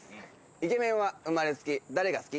イケメンは生まれつき、誰が好き？